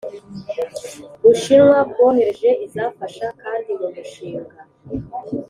Bushinwa bwohereje izafasha kandi mu mushinga